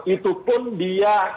itu pun dia